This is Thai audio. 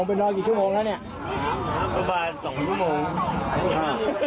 ไปนอนกี่ชั่วโมงแล้วเนี่ยประมาณสองชั่วโมงอ่า